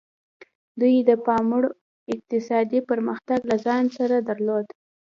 دوی د پاموړ اقتصادي پرمختګ له ځان سره درلود.